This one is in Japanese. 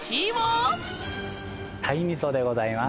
鯛味噌でございます。